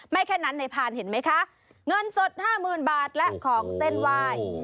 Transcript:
แค่นั้นในพานเห็นไหมคะเงินสด๕๐๐๐บาทและของเส้นไหว้